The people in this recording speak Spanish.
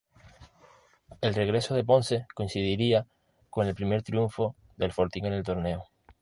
El regreso de Ponce coincidiría con el primer triunfo del Fortín en el torneo.